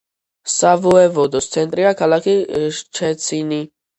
სავოევოდოს ცენტრია ქალაქი შჩეცინი.